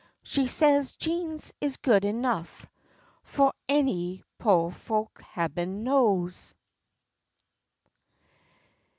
She says, "Jeans is good enough fu' any po' folks, heaben knows!"